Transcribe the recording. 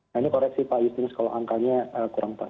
nah ini koreksi pak istins kalau angkanya kurang pak